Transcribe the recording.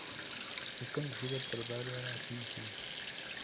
Es conducido por Bárbara Simons.